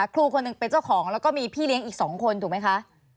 ครูคนหนึ่งเป็นเจ้าของแล้วก็มีพี่เลี้ยงอีก๒คนถูกไหมคะ